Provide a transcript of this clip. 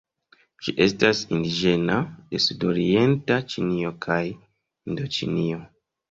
Ĝi estas indiĝena de sudorienta Ĉinio kaj Hindoĉinio.